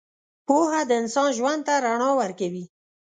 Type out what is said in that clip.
پوهه د انسان ژوند ته رڼا ورکوي.